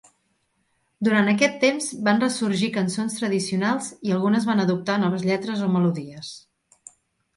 Durant aquest temps van ressorgir cançons tradicionals i algunes van adoptar noves lletres o melodies.